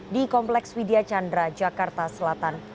di kompleks widya chandra jakarta selatan